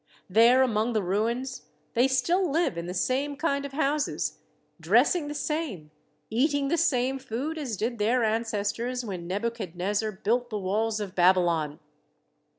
There among the ruins they still live in the same kind of houses, dressing the same, eating the same food as did their ancestors when Nebuchadnezzar built the walls of Babylon.